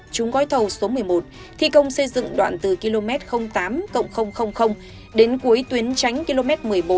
trúng gói thầu số một mươi một thi công xây dựng đoạn từ km tám đến cuối tuyến tránh km một mươi bốn năm trăm sáu mươi bốn bốn mươi hai